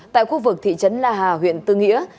tại khu vực thị trấn la hà huyện tư nghĩa